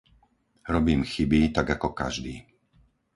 Robím chyby tak ako každý.